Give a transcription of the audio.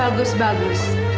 kalau groot kayak baik baik ajaostu